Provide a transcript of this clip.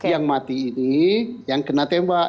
yang mati ini yang kena tembak